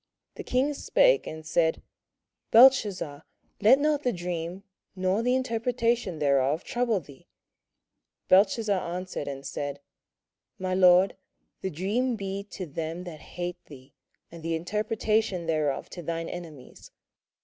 The king spake, and said, Belteshazzar, let not the dream, or the interpretation thereof, trouble thee. Belteshazzar answered and said, My lord, the dream be to them that hate thee, and the interpretation thereof to thine enemies.